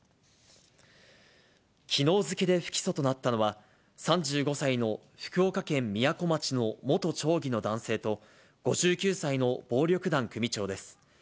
きのう付けで不起訴となったのは、３５歳の福岡県みやこ町の元町議の男性と、５９歳の暴力団組長です。